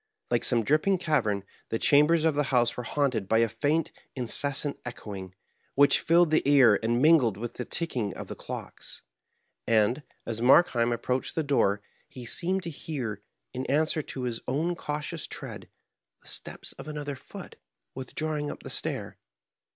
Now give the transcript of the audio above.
Like some dripping cavera, the chambers of the house were haunted by a faint, incessant echoing, which filled the ear, and mingled with the ticking of the clocks. And, as Markheim approached the door, he seemed to hear, in answer to his own cautious tread, the steps of another foot withdrawing up the stair.